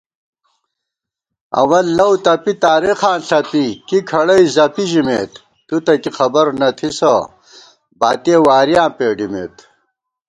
اوَل لَؤ تپی تارېخاں ݪَپی کی کھڑَئی زَپی دِمېت * تُوتہ کی خبر نہ تھِسہ باتِیَہ وارِیاں پېڈِمېت